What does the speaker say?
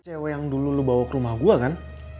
cewek yang dulu lu bawa ke rumah gua kan